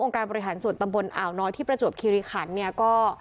การบริหารส่วนตำบลอ่าวน้อยที่ประจวบคิริขันเนี่ยก็